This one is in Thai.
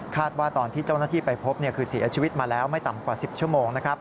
ว่าตอนที่เจ้าหน้าที่ไปพบคือเสียชีวิตมาแล้วไม่ต่ำกว่า๑๐ชั่วโมง